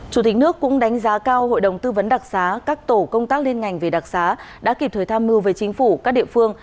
chủ tịch nước cũng đánh giá cao hội đồng tư vấn đặc xá các tổ công tác liên ngành về đặc xá đã kịp thời tham mưu với chính phủ các địa phương